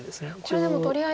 これでもとりあえず。